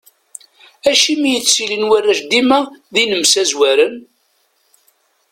Acimi i ttilin warrac dima d inemsazwaren?